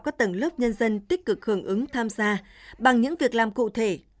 các tầng lớp nhân dân tích cực hưởng ứng tham gia bằng những việc làm cụ thể